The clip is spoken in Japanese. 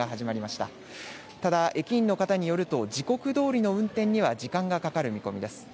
ただ駅員の方によると時刻どおりの運転には時間がかかる見込みです。